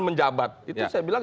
menjabat itu saya bilang